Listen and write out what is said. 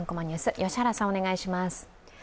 良原さん、お願いします。